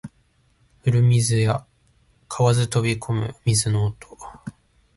古池や蛙飛び込む水の音